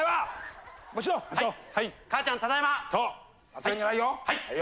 忘れんじゃないよ。